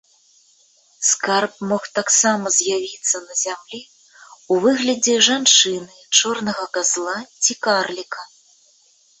Скарб мог таксама з'явіцца на зямлі ў выглядзе жанчыны, чорнага казла ці карліка.